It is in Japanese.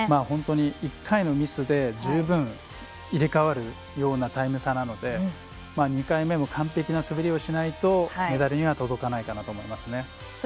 本当に、１回のミスで十分入れ替わるようなタイム差なので２回目も完璧な滑りをしないとメダルには届かないと思いますね。